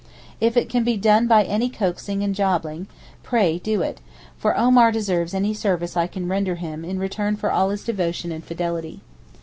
If it can be done by any coaxing and jobbing, pray do it, for Omar deserves any service I can render him in return for all his devotion and fidelity.